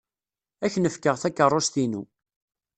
Ad k-n-fkeɣ takeṛṛust-inu.